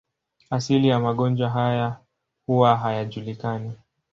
Asili ya magonjwa haya huwa hayajulikani.